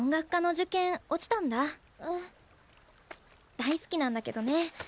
大好きなんだけどね。